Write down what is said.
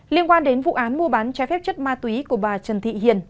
liên quan đến vụ án mua bán trái phép chất ma túy của bà trần thị hiền